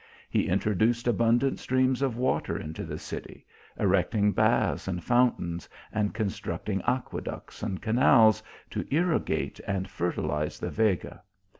He introduced abundant streams of water into the city, erecting baths and fountains, and constructing aqueducts and canals to irrigate and fertilize the Vega.